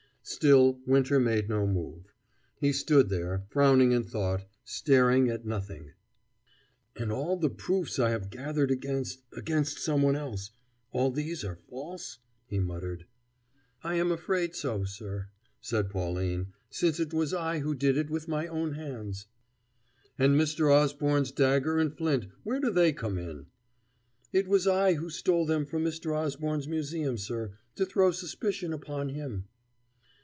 Still Winter made no move. He stood there, frowning in thought, staring at nothing. "And all the proofs I have gathered against against someone else all these are false?" he muttered. "I am afraid so, sir," said Pauline, "since it was I who did it with my own hands." "And Mr. Osborne's dagger and flint where do they come in?" "It was I who stole them from Mr. Osborne's museum, sir, to throw suspicion upon him."